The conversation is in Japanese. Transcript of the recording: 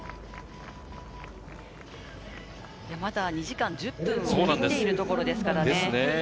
まだ２時間１０分を切っているところですからね。